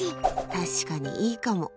確かに、いいかも。